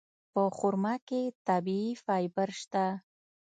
په خرما کې طبیعي فایبر شته.